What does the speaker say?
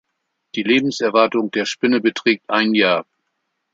Die Lebenserwartung der Spinne beträgt ein Jahr.